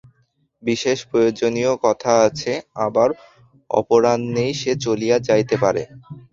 বিশেষ প্রয়োজনীয় কথা আছে, আবার অপরাহ্নেই সে চলিয়া যাইতে পারে।